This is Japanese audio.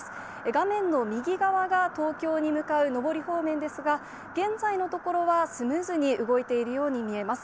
画面の右側が東京に向かう上り方面ですが、現在のところは、スムーズに動いているように見えます。